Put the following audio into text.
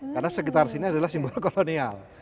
karena sekitar sini adalah simbol kolonial